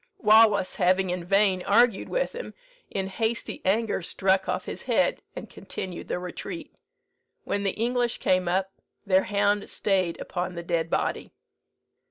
Wallace having in vain argued with him, in hasty anger struck off his head, and continued the retreat. When the English came up, their hound stayed upon the dead body.